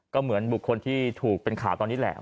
ก็เหมือนบุคคลที่ถูกเป็นข่าวตอนนี้แหละ